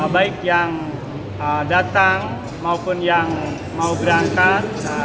baik yang datang maupun yang mau berangkat